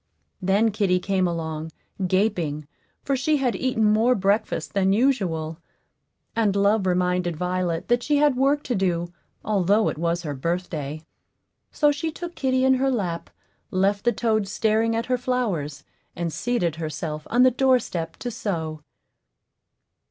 Then kitty came along, gaping, for she had eaten more breakfast than usual; and Love reminded Violet that she had work to do, although it was her birthday; so she took kitty in her lap, left the toads staring at her flowers, and seated herself on the doorstep to sew.